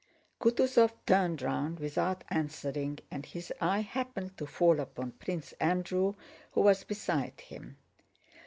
Kutúzov turned round without answering and his eye happened to fall upon Prince Andrew, who was beside him.